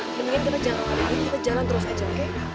mendingan kita jalan lagi kita jalan terus aja oke